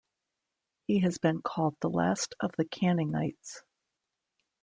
He has been called the last of the Canningites.